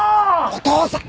お義父さん！